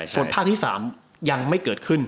ส่วนภาคที่๓ยังไม่เกิดขึ้น